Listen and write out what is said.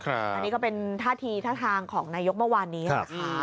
อันนี้ก็เป็นท่าทีท่าทางของนายกเมื่อวานนี้นะคะ